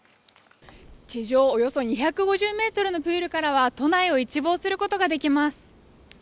地上およそ２５０ｍのプールからは都内を一望することができます。